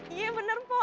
iya bener po